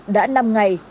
đã năm ngày